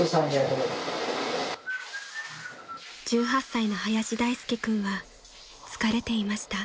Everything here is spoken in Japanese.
［１８歳の林大介君は疲れていました］